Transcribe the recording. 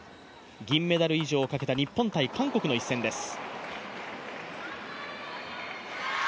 銀メダル以上をかけた日本×韓国の一戦です。